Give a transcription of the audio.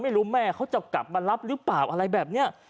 แม่เขาจะกลับมารับหรือเปล่าอะไรแบบนี้